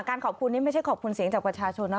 ขอบคุณนี้ไม่ใช่ขอบคุณเสียงจากประชาชนนะ